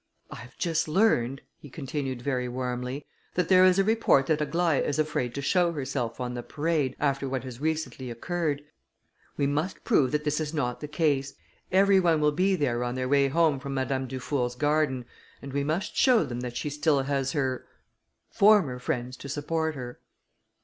I have just learned," he continued very warmly, "that there is a report that Aglaïa is afraid to show herself on the parade after what has recently occurred; we must prove that this is not the case; every one will be there on their way home from Madame Dufour's garden, and we must show them that she has still her ... former friends to support her."